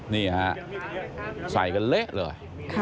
นี่ฮะใส่กันเละเลย